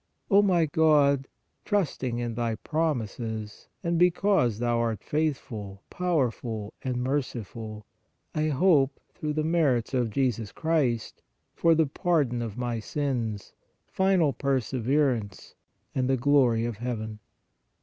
O my God, trusting in Thy promises, and because Thou art faithful, powerful and merciful, I hope through the merits of Jesus Christ, for the pardon of my sins, final perseverance and the glory of heaven.